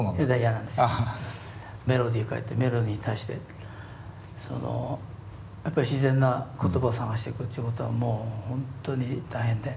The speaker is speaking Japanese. メロディー書いてメロディー対してやっぱり自然な言葉を探していくっていうことはもう本当に大変で。